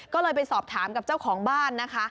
ก็เลยไปสอบถามกับเจ้าของบ้านนะคะ